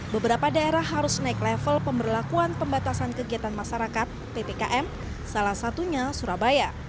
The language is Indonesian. beberapa daerah harus naik level pemberlakuan pembatasan kegiatan masyarakat ppkm salah satunya surabaya